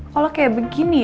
kalo kayak begini